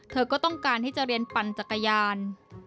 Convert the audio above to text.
ก็ต้องการที่จะเรียนปั่นจักรยาน